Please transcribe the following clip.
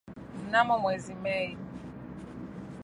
mnamo mwezi Mei